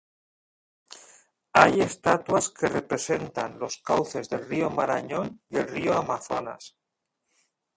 Hay estatuas que representan los cauces del Río Marañón y el Río Amazonas.